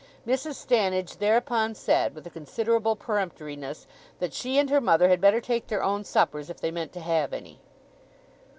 Mrs. Stannidge thereupon said with a considerate peremptoriness that she and her mother had better take their own suppers if they meant to have any.